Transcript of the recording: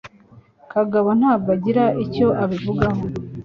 Kagabo ntabwo agira icyo abivugaho.